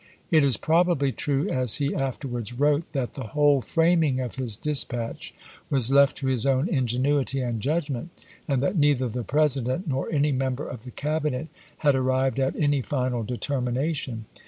It is probably true, as he after wards wrote,^ that the whole framing of his dispatch was left to his own ingenuity and judgment, and that neither the President nor any member of the Cabinet had arrived at any final determination.